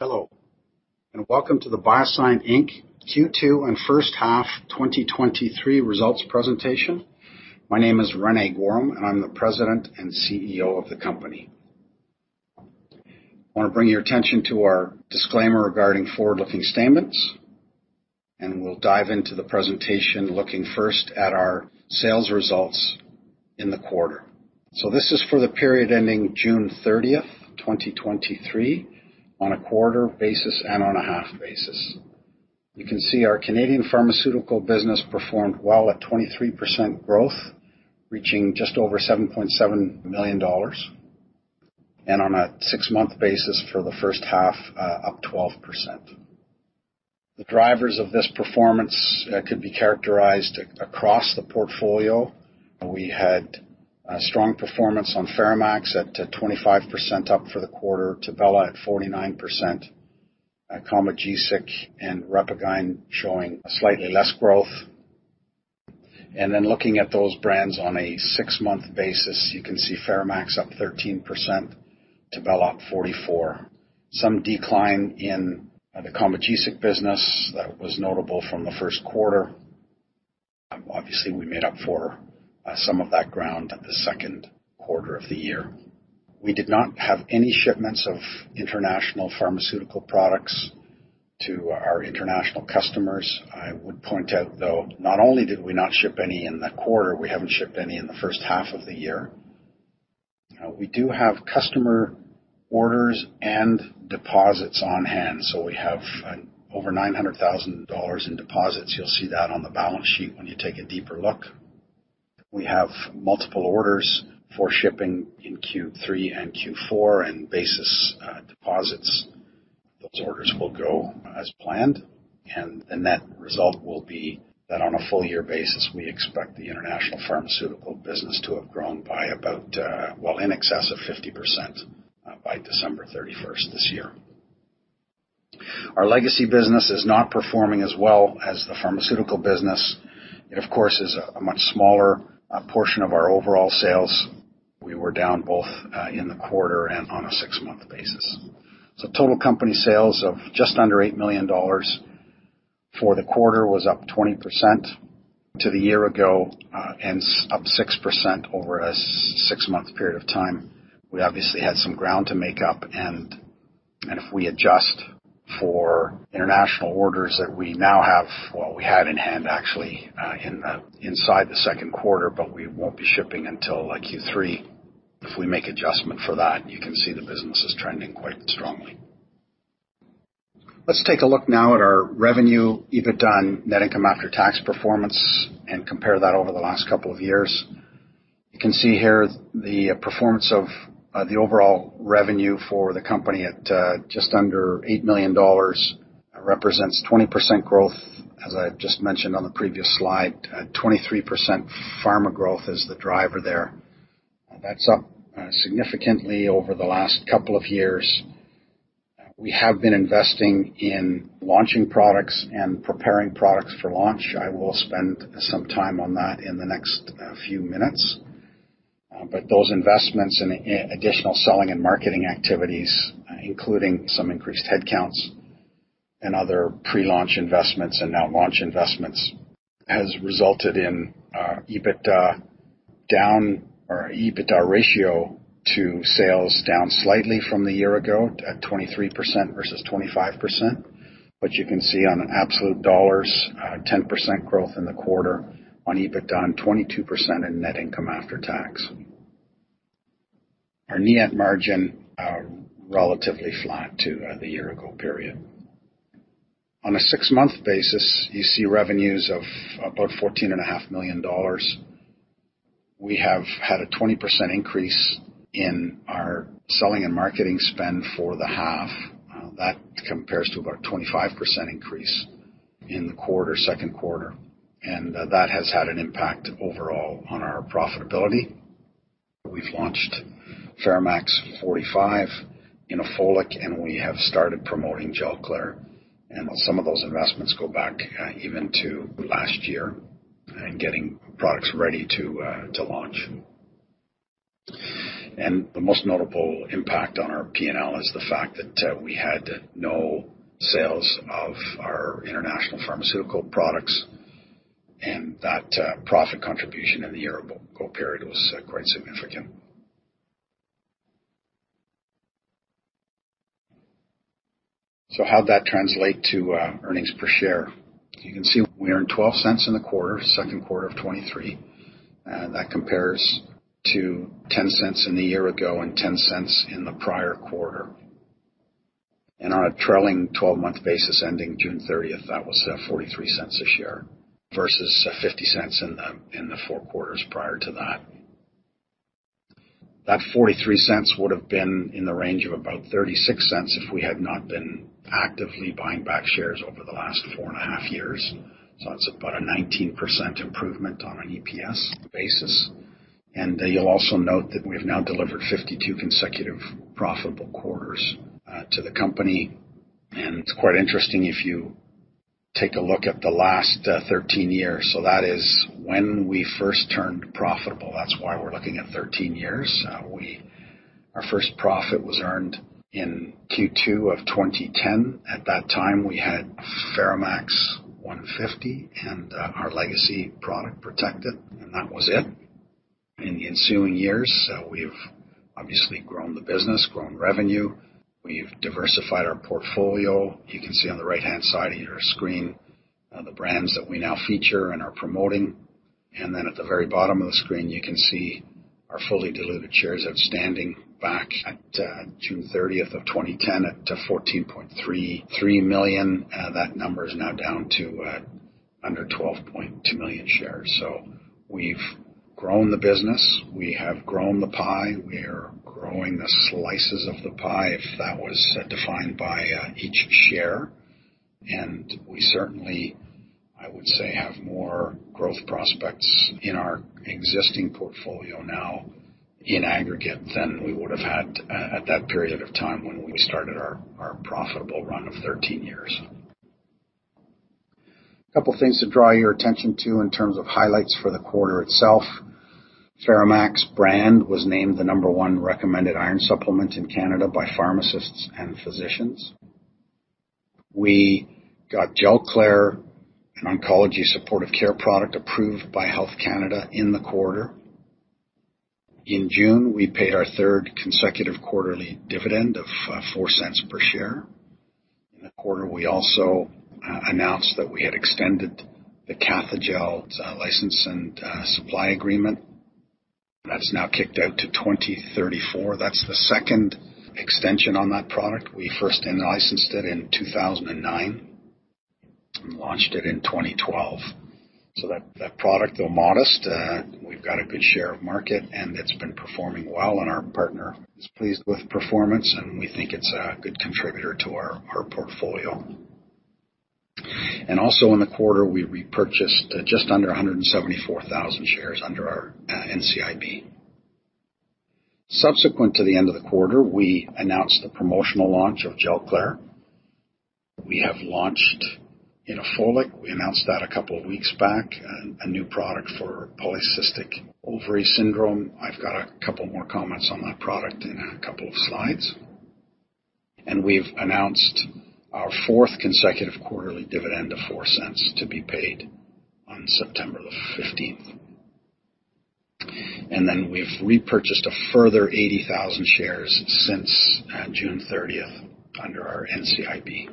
Hello, welcome to the BioSyent Inc. Q2 and first half 2023 results presentation. My name is René Goehrum, and I'm the President and CEO of the company. I want to bring your attention to our disclaimer regarding forward-looking statements, and we'll dive into the presentation, looking first at our sales results in the quarter. This is for the period ending June 30, 2023, on a quarter basis and on a half basis. You can see our Canadian pharmaceutical business performed well at 23% growth, reaching just over $7.7 million, and on a six-month basis for the first half, up 12%. The drivers of this performance could be characterized across the portfolio. We had a strong performance on FeraMAX at 25% up for the quarter, Tibella at 49%, Combogesic and RepaGyn showing slightly less growth. Then looking at those brands on a six-month basis, you can see FeraMAX up 13%, Tibella up 44. Some decline in the Combogesic business that was notable from the first quarter. Obviously, we made up for some of that ground at the second quarter of the year. We did not have any shipments of international pharmaceutical products to our international customers. I would point out, though, not only did we not ship any in the quarter, we haven't shipped any in the first half of the year. We do have customer orders and deposits on hand, so we have an over 900,000 dollars in deposits. You'll see that on the balance sheet when you take a deeper look. We have multiple orders for shipping in Q3 and Q4, and basis, deposits. Those orders will go as planned, and the net result will be that on a full year basis, we expect the international pharmaceutical business to have grown by about, well, in excess of 50%, by December 31st this year. Our legacy business is not performing as well as the pharmaceutical business. It, of course, is a much smaller portion of our overall sales. We were down both, in the quarter and on a 6-month basis. Total company sales of just under 8 million dollars for the quarter was up 20% to the year-ago, and up 6% over a six-month period of time. We obviously had some ground to make up. If we adjust for international orders that we now have, well, we had in hand, actually, inside the second quarter, but we won't be shipping until Q3. If we make adjustment for that, you can see the business is trending quite strongly. Let's take a look now at our revenue, EBITDA, and net income after tax performance and compare that over the last couple of years. You can see here the performance of the overall revenue for the company at just under $8 million. It represents 20% growth, as I just mentioned on the previous slide. 23% pharma growth is the driver there. That's up significantly over the last couple of years. We have been investing in launching products and preparing products for launch. I will spend some time on that in the next few minutes. Those investments in, in additional selling and marketing activities, including some increased headcounts and other pre-launch investments and now launch investments, has resulted in EBITDA down or EBITDA ratio to sales down slightly from the year ago at 23% versus 25%. You can see on absolute dollars, 10% growth in the quarter on EBITDA, and 22% in net income after tax. Our net margin are relatively flat to the year-ago period. On a six-month basis, you see revenues of about 14.5 million dollars. We have had a 20% increase in our selling and marketing spend for the half. That compares to about 25% increase in the quarter, second quarter, and that has had an impact overall on our profitability. We've launched FeraMAX 45, Inofolic, and we have started promoting Gelclair, and some of those investments go back even to last year, getting products ready to launch. The most notable impact on our P&L is the fact that we had no sales of our international pharmaceutical products, and that profit contribution in the year ago period was quite significant. How'd that translate to earnings per share? You can see we earned 0.12 in the quarter, second quarter of 2023. That compares to 0.10 in the year ago and 0.10 in the prior quarter. On a trailing twelve-month basis ending June 30th, that was 0.43 a share versus 0.50 in the, in the four quarters prior to that. That $0.43 would have been in the range of about $0.36 if we had not been actively buying back shares over the last 4.5 years. That's about a 19% improvement on an EPS basis. You'll also note that we've now delivered 52 consecutive profitable quarters to the company. It's quite interesting if you take a look at the last 13 years. That is when we first turned profitable. That's why we're looking at 13 years. Our first profit was earned in Q2 of 2010. At that time, we had FeraMAX 150 and our legacy product protected, and that was it. In the ensuing years, we've obviously grown the business, grown revenue, we've diversified our portfolio. You can see on the right-hand side of your screen, the brands that we now feature and are promoting. At the very bottom of the screen, you can see our fully diluted shares outstanding back at June 30th, 2010, up to 14.33 million. That number is now down to under 12.2 million shares. We've grown the business, we have grown the pie, we're growing the slices of the pie, if that was defined by each share. We certainly, I would say, have more growth prospects in our existing portfolio now in aggregate, than we would have had at that period of time when we started our, our profitable run of 13 years. A couple of things to draw your attention to in terms of highlights for the quarter itself. FeraMAX brand was named the number 1 recommended iron supplement in Canada by pharmacists and physicians. We got Gelclair, an oncology supportive care product, approved by Health Canada in the quarter. In June, we paid our third consecutive quarterly dividend of 0.04 per share. In the quarter, we also announced that we had extended the Cathejell license and supply agreement, that's now kicked out to 2034. That's the second extension on that product. We first in-licensed it in 2009, and launched it in 2012. That, that product, though modest, we've got a good share of market, and it's been performing well, and our partner is pleased with performance, and we think it's a good contributor to our, our portfolio. Also in the quarter, we repurchased just under 174,000 shares under our NCIB. Subsequent to the end of the quarter, we announced the promotional launch of Gelclair. We have launched Inofolic. We announced that a couple of weeks back, a new product for polycystic ovary syndrome. I've got a couple more comments on that product in a couple of slides. We've announced our fourth consecutive quarterly dividend of 0.04 to be paid on September 15th. We've repurchased a further 80,000 shares since June 30th under our NCIB.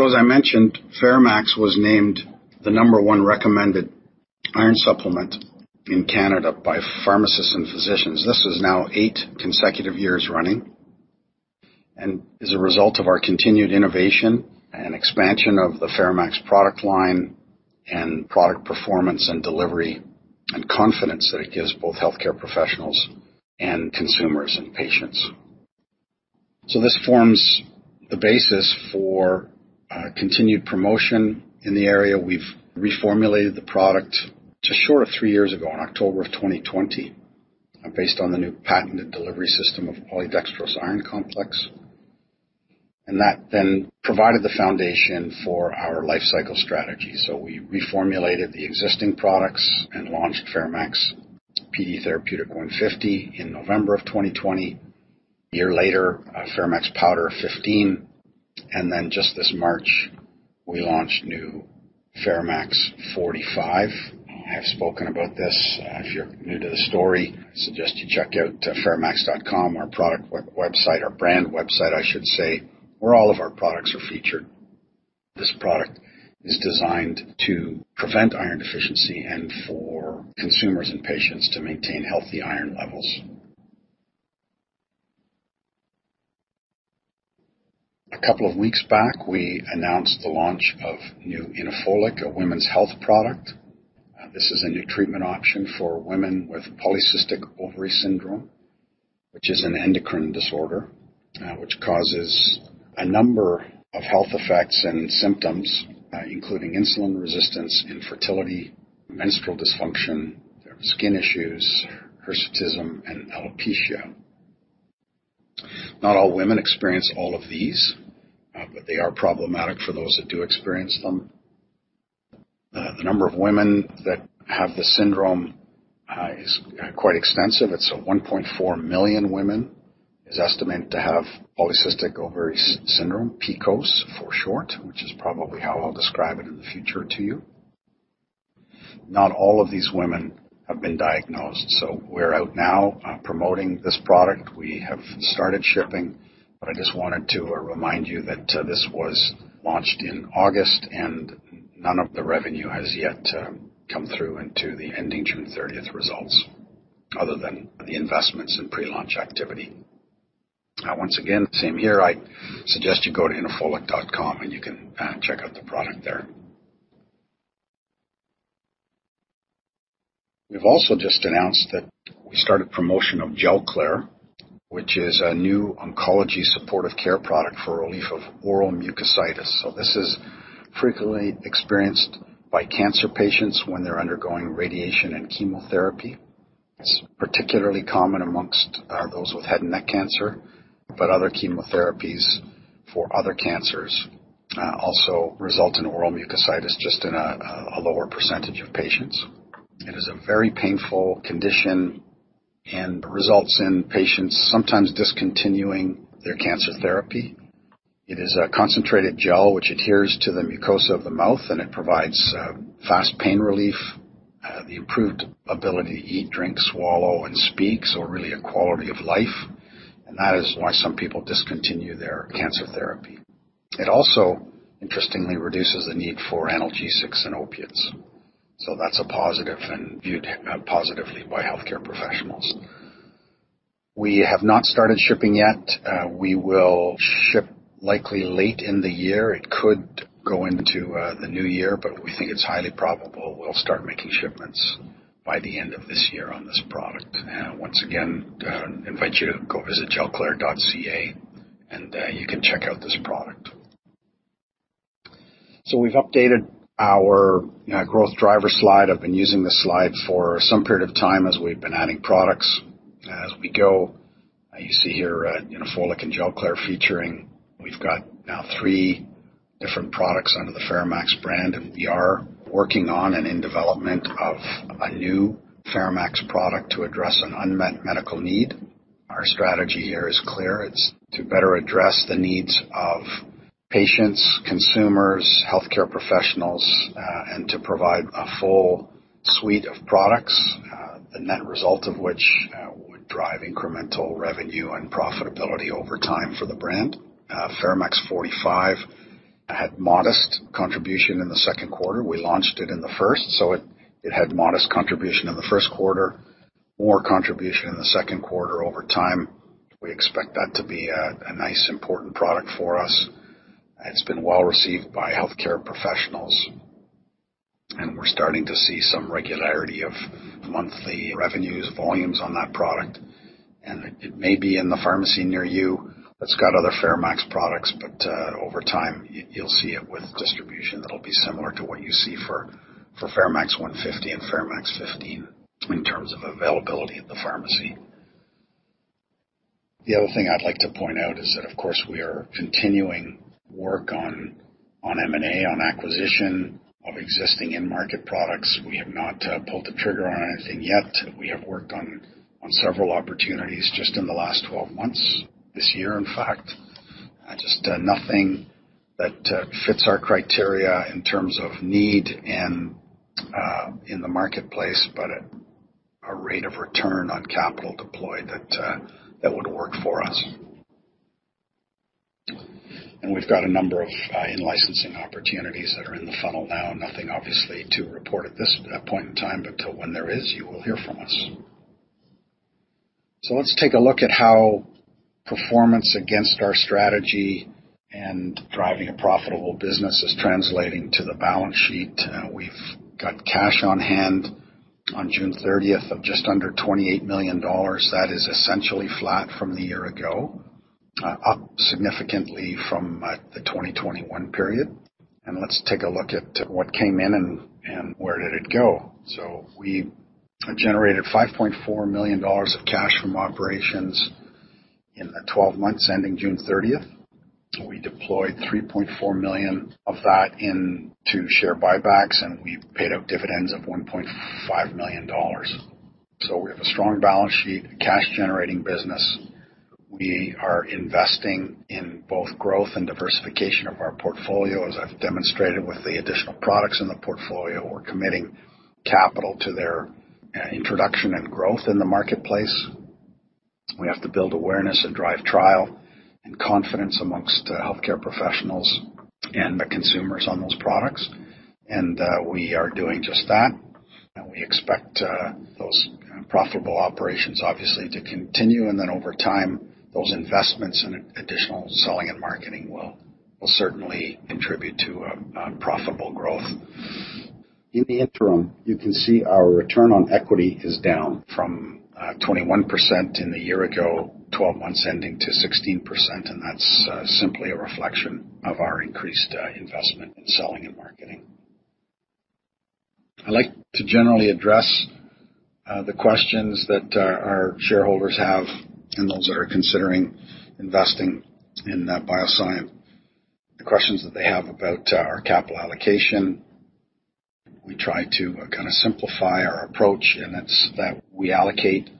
As I mentioned, FeraMAX was named the number 1 recommended iron supplement in Canada by pharmacists and physicians. This is now eight consecutive years running, and is a result of our continued innovation and expansion of the FeraMAX product line, and product performance and delivery, and confidence that it gives both healthcare professionals and consumers and patients. This forms the basis for continued promotion in the area. We've reformulated the product to short of three years ago, in October of 2020, based on the new patented delivery system of polydextrose iron complex, and that then provided the foundation for our life cycle strategy. We reformulated the existing products and launched FeraMAX Pd Therapeutic 150 in November of 2020. A year later, FeraMAX Pd Powder 15, and then just this March, we launched new FeraMAX 45. I've spoken about this. If you're new to the story, I suggest you check out feramax.com, our product website, our brand website, I should say, where all of our products are featured. This product is designed to prevent iron deficiency and for consumers and patients to maintain healthy iron levels. A couple of weeks back, we announced the launch of new Inofolic, a women's health product. This is a new treatment option for women with polycystic ovary syndrome, which is an endocrine disorder, which causes a number of health effects and symptoms, including insulin resistance, infertility, menstrual dysfunction, skin issues, hirsutism, and alopecia. Not all women experience all of these, but they are problematic for those that do experience them. The number of women that have the syndrome is quite extensive. It's 1.4 million women, is estimated to have polycystic ovary syndrome, PCOS for short, which is probably how I'll describe it in the future to you. Not all of these women have been diagnosed, so we're out now, promoting this product. We have started shipping, but I just wanted to remind you that this was launched in August, and none of the revenue has yet come through into the ending June 30th results, other than the investments in pre-launch activity. Once again, same here. I suggest you go to inofolic.ca, and you can check out the product there. We've also just announced that we started promotion of Gelclair, which is a new oncology supportive care product for relief of oral mucositis. This is frequently experienced by cancer patients when they're undergoing radiation and chemotherapy. It's particularly common amongst those with head and neck cancer, but other chemotherapies for other cancers also result in oral mucositis, just in a, a lower percentage of patients. It is a very painful condition and results in patients sometimes discontinuing their cancer therapy. It is a concentrated gel which adheres to the mucosa of the mouth, and it provides fast pain relief, the improved ability to eat, drink, swallow, and speak, so really a quality of life. That is why some people discontinue their cancer therapy. It also interestingly reduces the need for analgesics and opiates, so that's a positive and viewed positively by healthcare professionals. We have not started shipping yet. We will ship likely late in the year. It could go into the new year, but we think it's highly probable we'll start making shipments by the end of this year on this product. Once again, invite you to go visit Gelclair, and you can check out this product. We've updated our growth driver slide. I've been using this slide for some period of time as we've been adding products as we go. You see here, Unifolic and Gelclair featuring. We've got now three different products under the FeraMAX brand. We are working on and in development of a new FeraMAX product to address an unmet medical need. Our strategy here is clear. It's to better address the needs of patients, consumers, healthcare professionals, and to provide a full suite of products, the net result of which, would drive incremental revenue and profitability over time for the brand. FeraMAX 45 had modest contribution in the second quarter. We launched it in the first. It, it had modest contribution in the first quarter, more contribution in the second quarter over time. We expect that to be a, a nice, important product for us. It's been well received by healthcare professionals, we're starting to see some regularity of monthly revenues, volumes on that product. It, it may be in the pharmacy near you that's got other FeraMAX products, but over time, you, you'll see it with distribution that'll be similar to what you see for, for FeraMAX 150 and FeraMAX 15 in terms of availability at the pharmacy. The other thing I'd like to point out is that, of course, we are continuing work on, on M&A, on acquisition of existing in-market products. We have not pulled the trigger on anything yet. We have worked on, on several opportunities just in the last 12 months, this year, in fact, just nothing that fits our criteria in terms of need and in the marketplace, but a rate of return on capital deployed that would work for us. We've got a number of in-licensing opportunities that are in the funnel now. Nothing obviously to report at this point in time, but when there is, you will hear from us. Let's take a look at how performance against our strategy and driving a profitable business is translating to the balance sheet. We've got cash on hand on June 30th of just under 28 million dollars. That is essentially flat from the year ago, up significantly from the 2021 period. Let's take a look at what came in and where did it go. We generated 5.4 million dollars of cash from operations in the 12 months, ending June 30th. We deployed 3.4 million of that into share buybacks, and we paid out dividends of 1.5 million dollars. We have a strong balance sheet, cash-generating business. We are investing in both growth and diversification of our portfolio. As I've demonstrated with the additional products in the portfolio, we're committing capital to their introduction and growth in the marketplace. We have to build awareness and drive, trial, and confidence amongst healthcare professionals and the consumers on those products. We are doing just that. We expect those profitable operations, obviously, to continue, and then over time, those investments in additional selling and marketing will, will certainly contribute to profitable growth. In the interim, you can see our return on equity is down from 21% in the year ago, 12 months ending, to 16%, and that's simply a reflection of our increased investment in selling and marketing. I'd like to generally address the questions that our, our shareholders have and those that are considering investing in BioSyent. The questions that they have about our capital allocation. We try to kinda simplify our approach, and it's that we allocate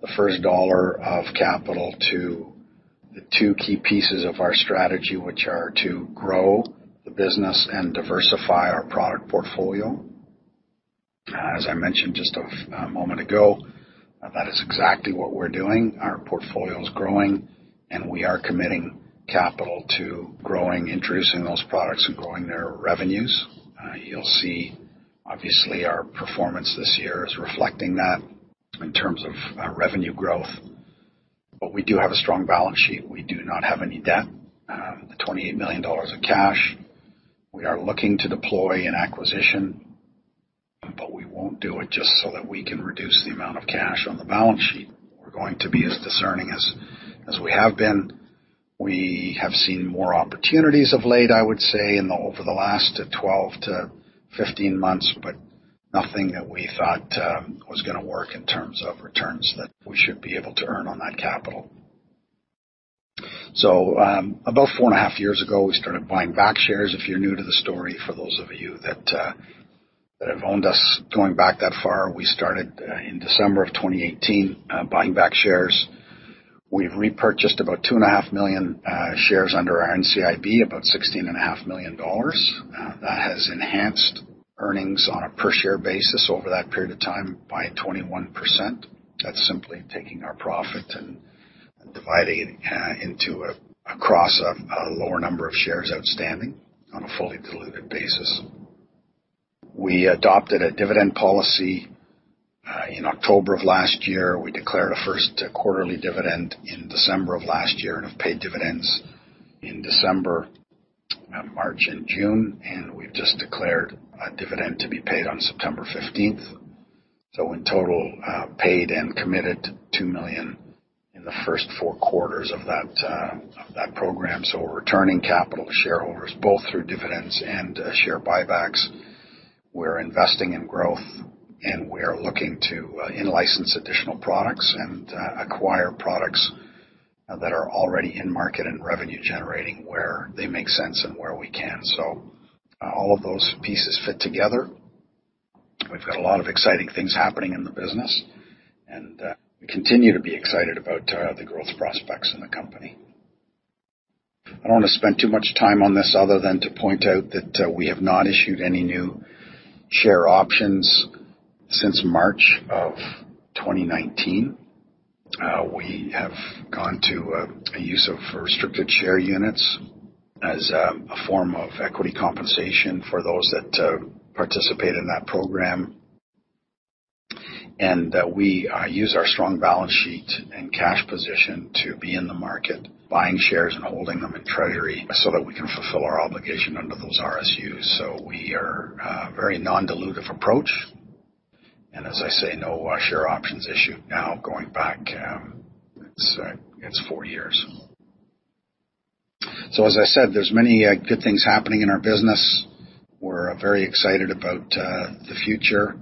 the first dollar of capital to the two key pieces of our strategy, which are to grow the business and diversify our product portfolio. As I mentioned just a moment ago, that is exactly what we're doing. Our portfolio is growing, and we are committing capital to growing, introducing those products and growing their revenues. You'll see, obviously, our performance this year is reflecting that in terms of revenue growth, but we do have a strong balance sheet. We do not have any debt, 28 million dollars of cash. We are looking to deploy an acquisition, but we won't do it just so that we can reduce the amount of cash on the balance sheet. We're going to be as discerning as, as we have been.... We have seen more opportunities of late, I would say, in the, over the last 12-15 months, but nothing that we thought was gonna work in terms of returns that we should be able to earn on that capital. About 4.5 years ago, we started buying back shares. If you're new to the story, for those of you that have owned us going back that far, we started in December of 2018 buying back shares. We've repurchased about 2.5 million shares under our NCIB, about 16.5 million dollars. That has enhanced earnings on a per share basis over that period of time by 21%. That's simply taking our profit and dividing into a, across a lower number of shares outstanding on a fully diluted basis. We adopted a dividend policy in October of last year. We declared a first quarterly dividend in December of last year, and have paid dividends in December, March and June, and we've just declared a dividend to be paid on September fifteenth. In total, paid and committed 2 million in the first four quarters of that program. We're returning capital to shareholders, both through dividends and share buybacks. We're investing in growth, and we're looking to in-license additional products and acquire products that are already in-market and revenue-generating, where they make sense and where we can. All of those pieces fit together. We've got a lot of exciting things happening in the business, and we continue to be excited about the growth prospects in the company. I don't want to spend too much time on this other than to point out that, we have not issued any new share options since March of 2019. We have gone to, a use of restricted share units as, a form of equity compensation for those that, participate in that program. We use our strong balance sheet and cash position to be in the market, buying shares and holding them in treasury, so that we can fulfill our obligation under those RSUs. We are, very non-dilutive approach, and as I say, no share options issued now going back, it's four years. As I said, there's many good things happening in our business. We're very excited about the future.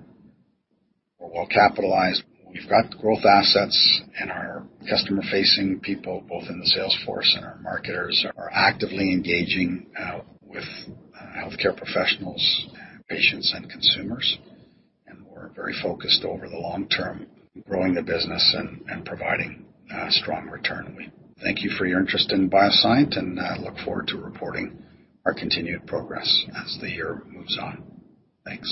We're well capitalized. We've got growth assets. Our customer-facing people, both in the sales force and our marketers, are actively engaging, with healthcare professionals, patients, and consumers. We're very focused over the long term, growing the business and, and providing, strong return. We thank you for your interest in BioSyent. I look forward to reporting our continued progress as the year moves on. Thanks.